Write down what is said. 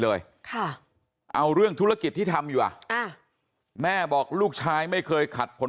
เลยค่ะเอาเรื่องธุรกิจที่ทำอยู่อ่ะแม่บอกลูกชายไม่เคยขัดผล